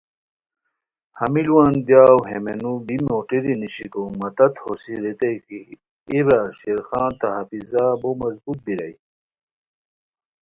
ہمی لُووان دیاؤ ہے مینو بی موٹری نیشیکو مہ تت ہوسی ریتائے کی ایے برار شیر خان تہ حافظہ بو مضبوط بیرائے